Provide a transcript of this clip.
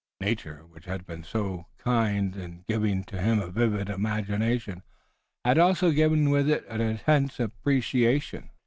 Nature, which had been so kind in giving to him a vivid imagination, had also given with it an intense appreciation.